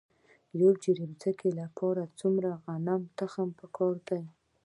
د یو جریب ځمکې لپاره څومره د غنمو تخم پکار دی؟